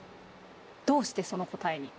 どうしてその答えに？